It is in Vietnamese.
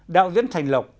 đạo diễn thành lộc